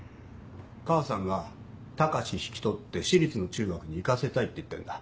母さんが高志引き取って私立の中学に行かせたいって言ってんだ。